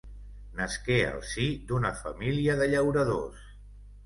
Nasqué al si d'una família de llauradors.